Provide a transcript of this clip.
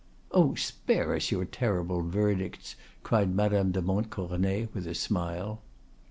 "Oh! spare us your terrible verdicts," cried Madame de Montcornet with a smile.